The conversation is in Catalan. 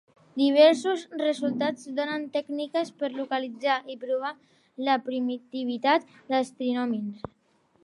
Diversos resultats donen tècniques per localitzar i provar la primitivitat dels trinomis.